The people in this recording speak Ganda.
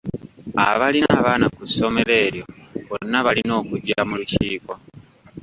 Abalina abaana ku ssomero eryo bonna balina okujja mu lukiiko.